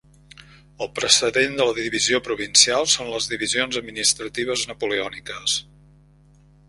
El precedent de la divisió provincial són les divisions administratives napoleòniques.